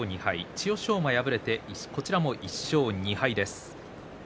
千代翔馬、敗れてこちらも１勝２敗です。